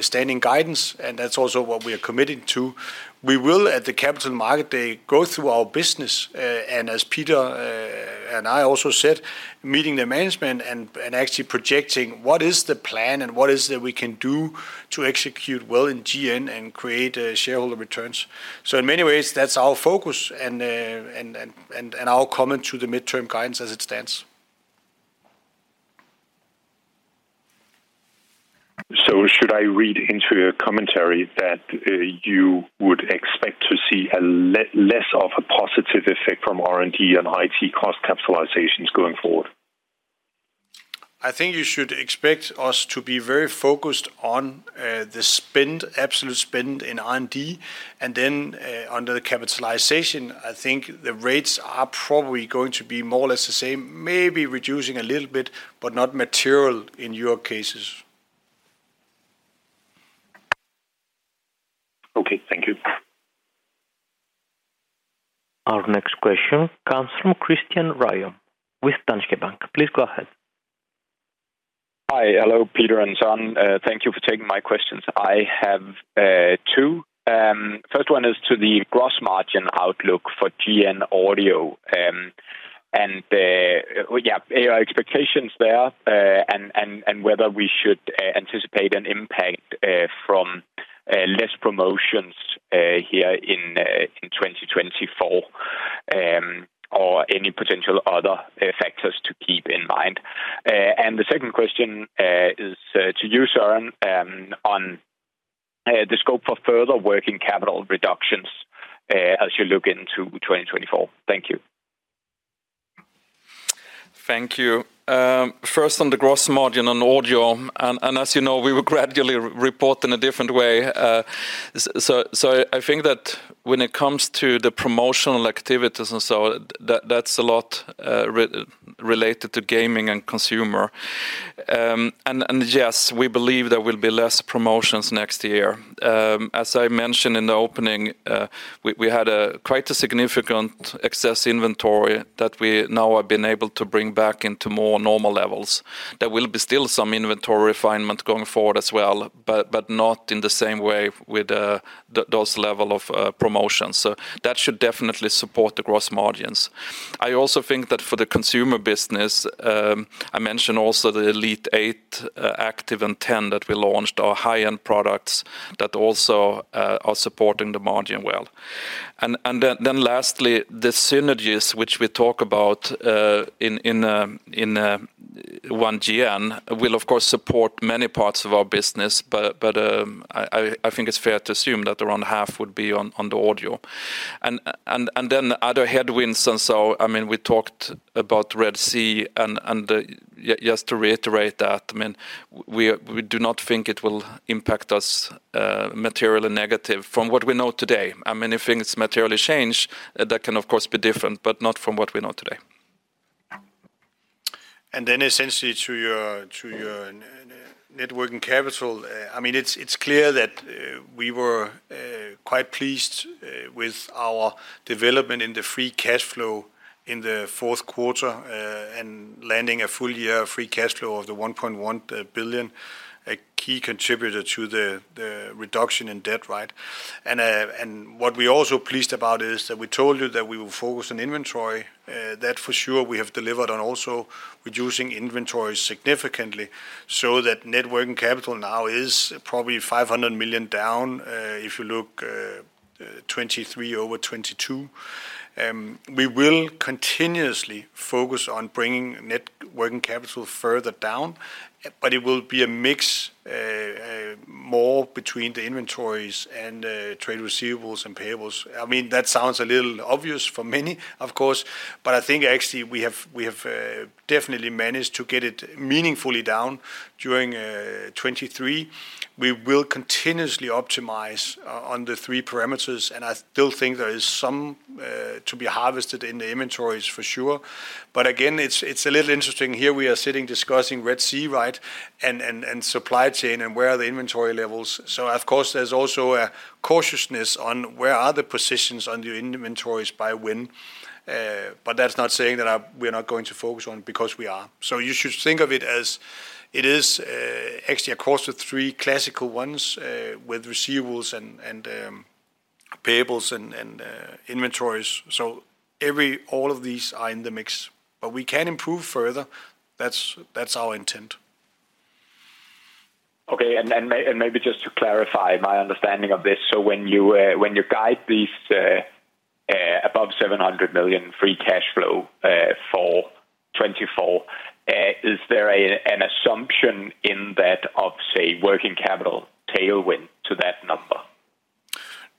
standing guidance, and that's also what we are committed to. We will, at the Capital Markets Day, go through our business, and as Peter and I also said, meeting the management and actually projecting what is the plan and what is it we can do to execute well in GN and create shareholder returns. So in many ways, that's our focus and our comment to the midterm guidance as it stands. Should I read into your commentary that you would expect to see a less of a positive effect from R&D and IT cost capitalizations going forward? I think you should expect us to be very focused on the spend, absolute spend in R&D. And then, under the capitalization, I think the rates are probably going to be more or less the same, maybe reducing a little bit, but not material in your cases. ... Okay, thank you. Our next question comes from Christian Ryom with Danske Bank. Please go ahead. Hi. Hello, Peter and Søren. Thank you for taking my questions. I have two. First one is to the gross margin outlook for GN Audio. And yeah, your expectations there, and whether we should anticipate an impact from less promotions here in 2024, or any potential other factors to keep in mind. And the second question is to you, Søren, on the scope for further working capital reductions as you look into 2024. Thank you. Thank you. First, on the gross margin on Audio, and as you know, we will gradually report in a different way. So I think that when it comes to the promotional activities and so, that's a lot related to Gaming and Consumer. And yes, we believe there will be less promotions next year. As I mentioned in the opening, we had quite a significant excess inventory that we now have been able to bring back into more normal levels. There will still be some inventory refinement going forward as well, but not in the same way with those level of promotions. So that should definitely support the gross margins. I also think that for the Consumer business, I mentioned also the Elite 8 Active and 10 that we launched, our high-end products that also are supporting the margin well. And then lastly, the synergies which we talk about in One GN will of course support many parts of our business, but I think it's fair to assume that around half would be on the Audio. And then the other headwinds and so, I mean, we talked about Red Sea, and just to reiterate that, I mean, we do not think it will impact us materially negative from what we know today. I mean, if things materially change, that can of course be different, but not from what we know today. Then essentially to your net working capital, I mean, it's clear that we were quite pleased with our development in the free cash flow in the fourth quarter, and landing a full year of free cash flow of 1.1 billion, a key contributor to the reduction in debt, right? And what we're also pleased about is that we told you that we will focus on inventory. That for sure we have delivered on also, reducing inventory significantly, so that net working capital now is probably 500 million down, if you look 2023 over 2022. We will continuously focus on bringing net working capital further down, but it will be a mix more between the inventories and trade receivables and payables. I mean, that sounds a little obvious for many, of course, but I think actually we have, we have, definitely managed to get it meaningfully down during 2023. We will continuously optimize on the three parameters, and I still think there is some to be harvested in the inventories for sure. But again, it's a little interesting. Here we are sitting discussing Red Sea, right? And supply chain, and where are the inventory levels. So of course, there's also a cautiousness on where are the positions on your inventories by when. But that's not saying that we're not going to focus on, because we are. So you should think of it as it is, actually across the three classical ones, with receivables and payables and inventories. So every... All of these are in the mix. But we can improve further. That's, that's our intent. Okay, and then maybe just to clarify my understanding of this: So when you guide these above 700 million free cash flow for 2024, is there an assumption in that of, say, working capital tailwind to that number?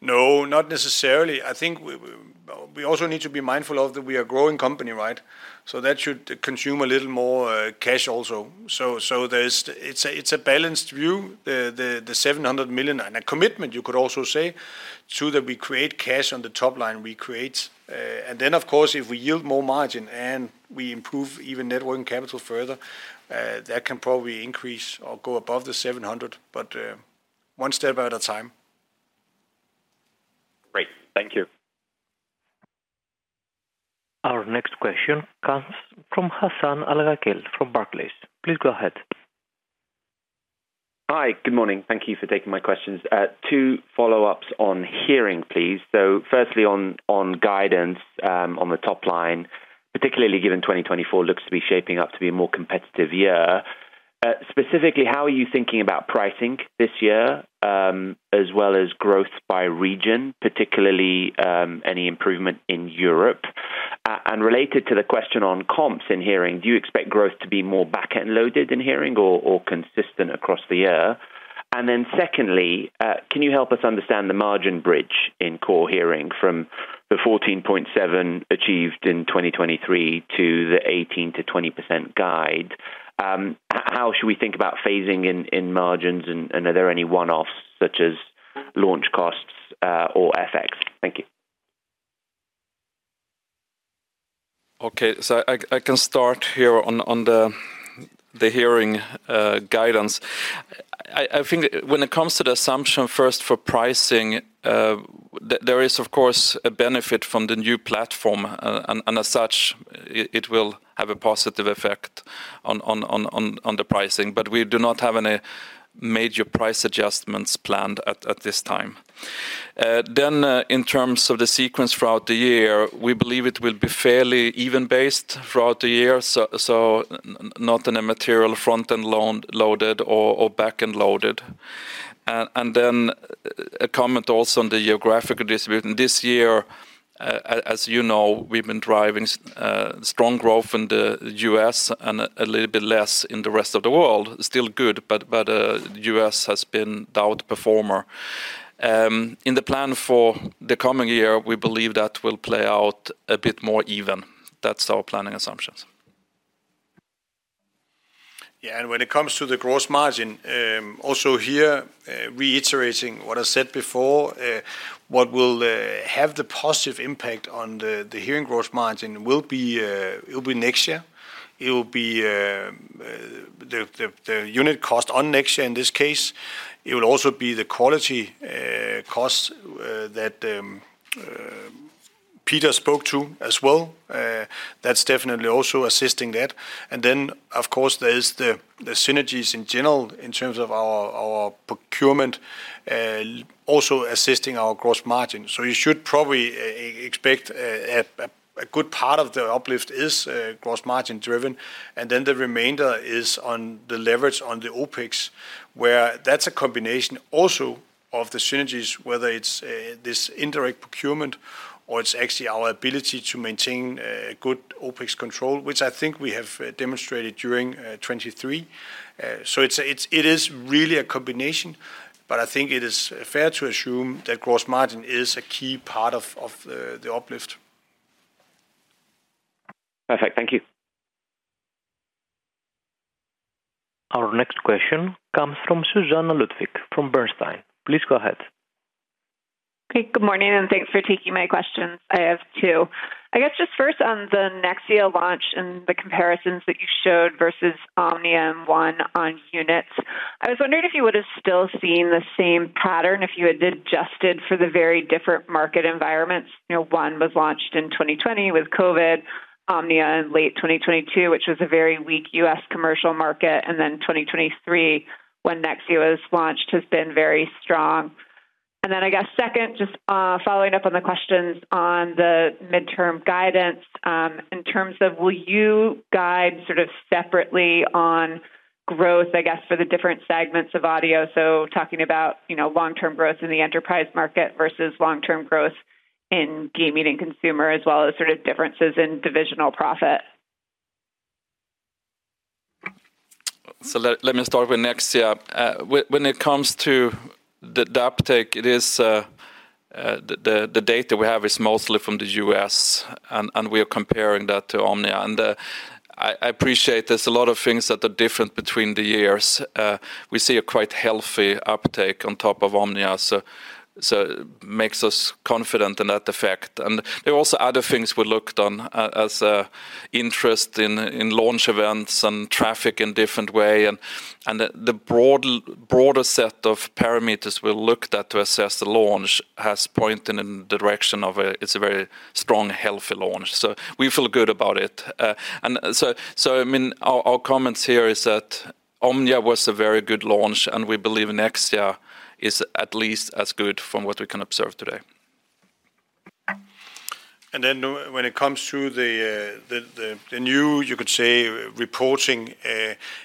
No, not necessarily. I think we also need to be mindful of that we are a growing company, right? So that should consume a little more cash also. So there's... It's a balanced view, the 700 million, and a commitment, you could also say, so that we create cash on the top line, we create. And then, of course, if we yield more margin and we improve even working capital further, that can probably increase or go above the 700 million, but one step at a time. Great. Thank you. Our next question comes from Hassan Al-Wakeel, from Barclays. Please go ahead. Hi, good morning. Thank you for taking my questions. Two follow-ups on Hearing, please. So firstly, on guidance, on the top line, particularly given 2024 looks to be shaping up to be a more competitive year. Specifically, how are you thinking about pricing this year, as well as growth by region, particularly any improvement in Europe? And related to the question on comps in Hearing, do you expect growth to be more back-end loaded in Hearing or consistent across the year? And then secondly, can you help us understand the margin bridge in Core Hearing from the 14.7 achieved in 2023 to the 18%-20% guide? How should we think about phasing in margins, and are there any one-offs such as launch costs or FX? Thank you.... Okay, so I can start here on the Hearing guidance. I think when it comes to the assumption first for pricing, there is of course a benefit from the new platform, and as such, it will have a positive effect on the pricing, but we do not have any major price adjustments planned at this time. Then, in terms of the sequence throughout the year, we believe it will be fairly even based throughout the year. So not in a material front-end loaded or back-end loaded. And then a comment also on the geographic distribution. This year, as you know, we've been driving strong growth in the U.S. and a little bit less in the Rest of World. Still good, but U.S. has been the outperformer. In the plan for the coming year, we believe that will play out a bit more even. That's our planning assumptions. Yeah, and when it comes to the gross margin, also here, reiterating what I said before, what will have the positive impact on the Hearing gross margin will be, it'll be Nexia. It'll be the unit cost on Nexia in this case. It will also be the quality costs that Peter spoke to as well. That's definitely also assisting that. And then, of course, there is the synergies in general in terms of our procurement also assisting our gross margin. So you should probably expect a good part of the uplift is, gross margin driven, and then the remainder is on the leverage on the OpEx, where that's a combination also of the synergies, whether it's, this indirect procurement or it's actually our ability to maintain, good OpEx control, which I think we have demonstrated during 2023. So it's, it is really a combination, but I think it is fair to assume that gross margin is a key part of, the uplift. Perfect. Thank you. Our next question comes from Susannah Ludwig, from Bernstein. Please go ahead. Hey, good morning, and thanks for taking my questions. I have two. I guess just first on the Nexia launch and the comparisons that you showed versus Omnia, One on units. I was wondering if you would have still seen the same pattern if you had adjusted for the very different market environments, you know, one was launched in 2020 with COVID, Omnia in late 2022, which was a very weak U.S. commercial market, and then 2023, when Nexia was launched, has been very strong? And then, I guess, second, just, following up on the questions on the midterm guidance, in terms of will you guide sort of separately on growth, I guess, for the different segments of Audio? Talking about, you know, long-term growth in the Enterprise market versus long-term growth in Gaming and Consumer, as well as sort of differences in divisional profit. So let me start with Nexia. When it comes to the uptake, it is the data we have is mostly from the U.S., and we are comparing that to Omnia. I appreciate there's a lot of things that are different between the years. We see a quite healthy uptake on top of Omnia, so makes us confident in that effect. And there are also other things we looked on as interest in launch events and traffic in different way, and the broader set of parameters we looked at to assess the launch has pointed in the direction of it's a very strong, healthy launch. So we feel good about it. So, I mean, our comments here is that Omnia was a very good launch, and we believe Nexia is at least as good from what we can observe today. And then when it comes to the new, you could say, reporting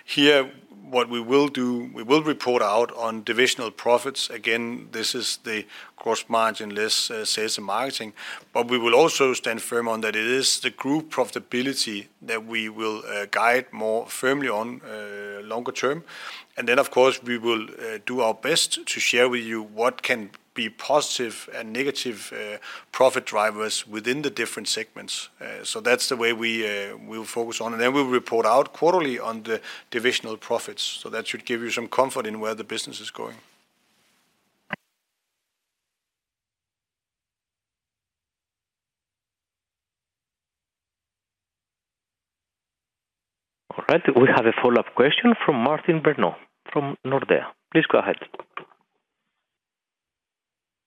here, what we will do, we will report out on divisional profits. Again, this is the gross margin, less sales and marketing. But we will also stand firm on that it is the group profitability that we will guide more firmly on, longer term. And then, of course, we will do our best to share with you what can be positive and negative profit drivers within the different segments. So that's the way we'll focus on, and then we'll report out quarterly on the divisional profits. So that should give you some comfort in where the business is going. All right. We have a follow-up question from Martin Brenøe from Nordea. Please go ahead.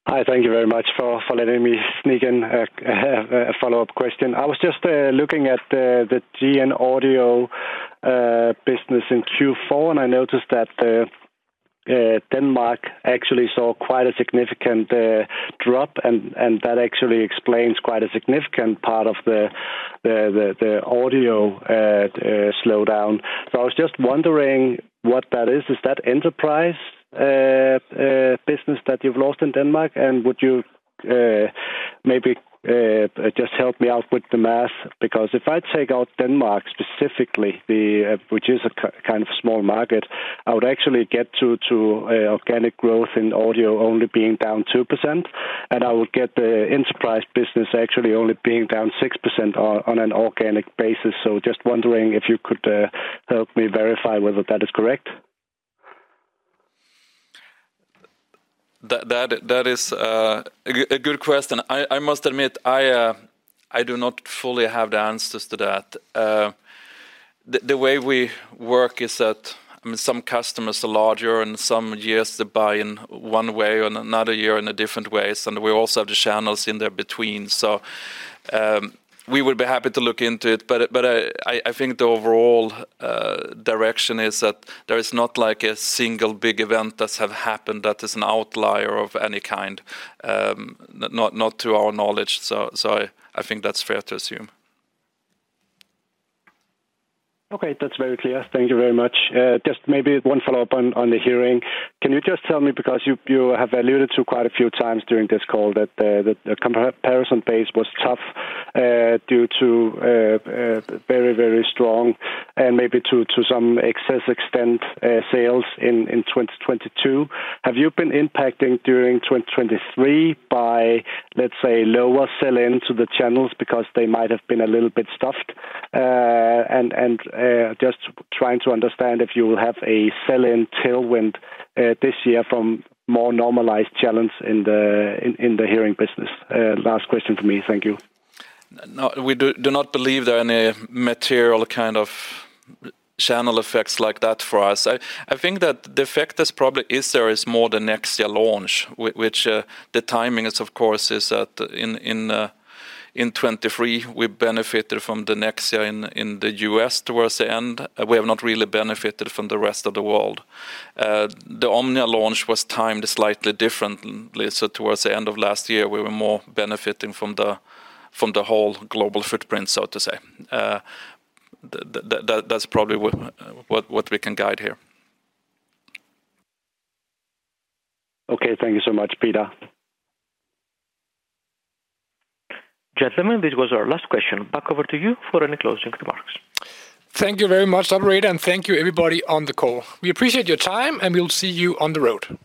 Hi, thank you very much for letting me sneak in a follow-up question. I was just looking at the GN Audio business in Q4, and I noticed that Denmark actually saw quite a significant drop, and that actually explains quite a significant part of the Audio slowdown. So I was just wondering what that is. Is that Enterprise business that you've lost in Denmark? And would you maybe just help me out with the math? Because if I take out Denmark specifically, which is a kind of small market, I would actually get to organic growth in Audio only being down 2%, and I would get the Enterprise business actually only being down 6% on an organic basis. Just wondering if you could help me verify whether that is correct? ... That is a good question. I must admit, I do not fully have the answers to that. The way we work is that, I mean, some customers are larger, and some years they buy in one way, or another year in a different ways, and we also have the channels in there between. So, we would be happy to look into it, but I think the overall direction is that there is not like a single big event that's have happened that is an outlier of any kind. Not to our knowledge, so I think that's fair to assume. Okay, that's very clear. Thank you very much. Just maybe one follow-up on the Hearing. Can you just tell me, because you have alluded to quite a few times during this call, that the comparison base was tough due to very, very strong, and maybe to some excess extent, sales in 2022. Have you been impacting during 2023 by, let's say, lower sell-in to the channels because they might have been a little bit stuffed? And just trying to understand if you will have a sell-in tailwind this year from more normalized channels in the Hearing business? Last question for me. Thank you. No, we do not believe there are any material kind of channel effects like that for us. I think that the effect that's probably is there is more the Nexia launch, which, the timing is, of course, in 2023, we benefited from the Nexia in the U.S. towards the end. We have not really benefited from the Rest of World. The Omnia launch was timed slightly differently, so towards the end of last year, we were more benefiting from the whole global footprint, so to say. That, that's probably what we can guide here. Okay, thank you so much, Peter. Gentlemen, this was our last question. Back over to you for any closing remarks. Thank you very much, operator, and thank you, everybody, on the call. We appreciate your time, and we'll see you on the road.